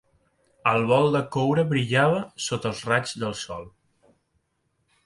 El bol de coure brillava sota els raigs del sol.